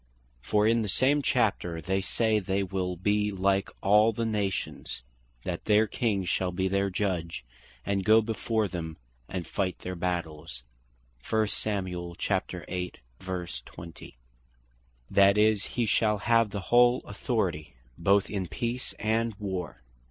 For in the same Chapter, verse 20. They say they will be like all the Nations; that their King shall be their Judge, and goe before them, and fight their battells; that is, he shall have the whole authority, both in Peace and War.